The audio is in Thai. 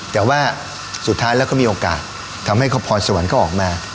แต่ว่าสุดท้ายแล้วก็มีโอกาสทำให้พรสวรรค์ก็ออกมา